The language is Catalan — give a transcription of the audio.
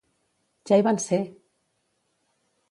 Ja hi van ser!